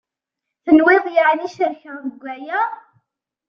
Tenwiḍ yeεni cerkeɣ deg aya?